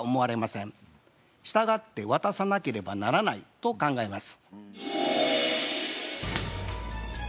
したがって渡さなければならないと考えます。